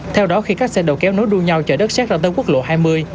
theo đó khi các xe đầu kéo nối đuôi nhau chở đất xét ra tới quốc lộ hai mươi